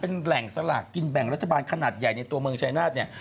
เป็นแหล่งสลากกินแบ่งรัฐบาลขนาดใหญ่ในตัวเมืองชายนาฏเนี่ย